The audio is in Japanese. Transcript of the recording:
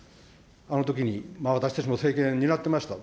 あのときに、私たちも政権担ってました。